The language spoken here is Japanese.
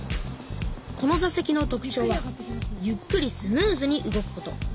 このざ席の特ちょうはゆっくりスムーズに動くこと。